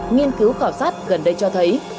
nghiên cứu khảo sát gần đây cho thấy